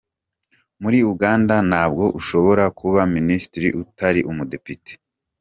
Muri Uganda ntabwo ushobora kuba minisitiri utari umudepite.